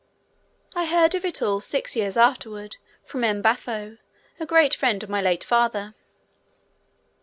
I heard of it all six years afterward from M. Baffo, a great friend of my late father.